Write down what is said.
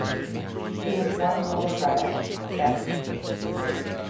He has one older brother, Jeffrey.